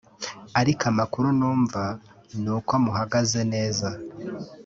ariko amakuru numva nuko muhagaze neza